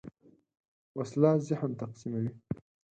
وسله ذهن تقسیموي